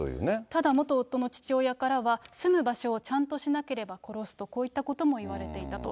ただ、元夫の父親からは、住む場所をちゃんとしなければ殺すと、こういったことも言われていたと。